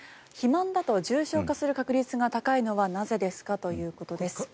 肥満だと重症化する確率が高いのはなぜですかということです。